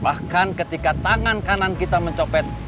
bahkan ketika tangan kanan kita mencopet